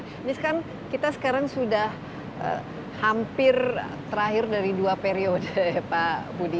ini sekarang kita sekarang sudah hampir terakhir dari dua periode ya pak budi